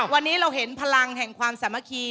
วันนี้เราเห็นพลังแห่งความสามัคคี